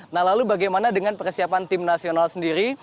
nah lalu bagaimana dengan persiapan tim nasional sendiri